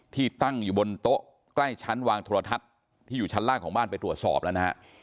ที่ตั้งอยู่บนโต๊ะใกล้ชั้นวางโทรทัศน์ที่อยู่ชั้นล่างของบ้านไปตรวจสอบแล้วนะฮะ